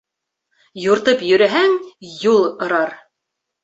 Юртып йөрөһәң, юл ырар.